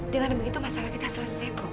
dengan begitu masalah kita selesai kok